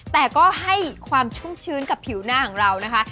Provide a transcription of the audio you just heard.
แต่ก็ให้ความชุ่มชื้นกับผิวหน้าของเรานะคะ